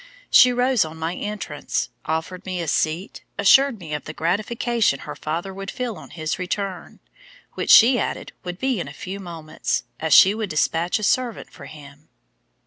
She rose on my entrance, offered me a seat, assured me of the gratification her father would feel on his return, which, she added, would be in a few moments, as she would despatch a servant for him.